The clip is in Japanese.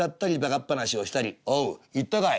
「おう行ったかい？